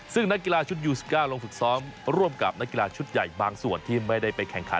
ซึ่งนักกีฬาชุดยู๑๙ลงฝึกซ้อมร่วมกับนักกีฬาชุดใหญ่บางส่วนที่ไม่ได้ไปแข่งขัน